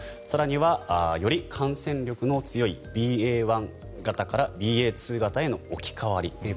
更にはより感染力の強いＢＡ．１型からＢＡ．２型への置き換わり